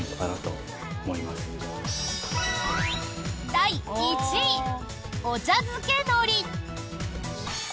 第１位お茶づけ海苔！